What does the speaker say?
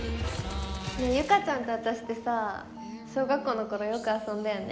結佳ちゃんとあたしってさ小学校の頃よく遊んだよね。